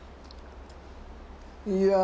いや。